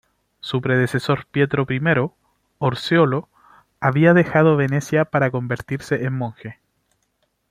Su predecesor Pietro I Orseolo había dejado Venecia para convertirse en monje.